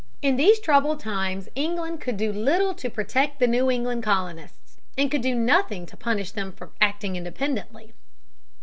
In these troubled times England could do little to protect the New England colonists, and could do nothing to punish them for acting independently.